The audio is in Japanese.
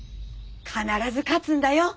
必ず勝つんだよ。